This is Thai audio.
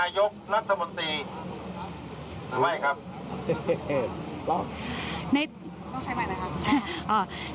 ต้องใช้ใหม่นะครับ